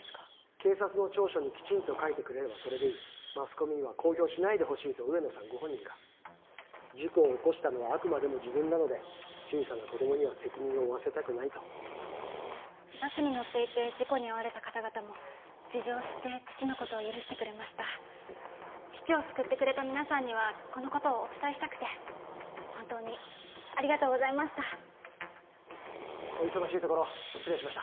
警察の調書にきちんと書いてくれればそれでいいマスコミには公表しないでほしいと上野さんご本人が事故を起こしたのはあくまでも自分なので小さな子供には責任を負わせたくないとバスに乗っていて事故にあわれた方々も事情を知って父のことを許してくれました父を救ってくれた皆さんにはこのことをお伝えしたくて本当にありがとうございましたお忙しいところ失礼しました